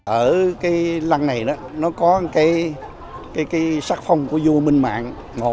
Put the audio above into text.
ở cái lăn này nó có cái sắc phong của vua minh mạng một tám hai mươi bốn